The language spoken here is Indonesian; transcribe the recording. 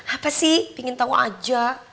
apa sih pengen tahu aja